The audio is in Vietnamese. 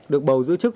được bầu giữ chức